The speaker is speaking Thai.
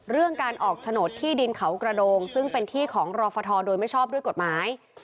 เรื่องการออกโฉนดที่ดินเขากระโดงซึ่งเป็นที่ของรอฟทโดยไม่ชอบด้วยกฎหมาย